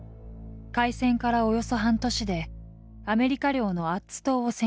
海戦からおよそ半年でアメリカ領のアッツ島を占領。